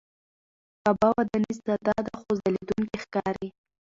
کعبه وداني ساده ده خو ځلېدونکې ښکاري.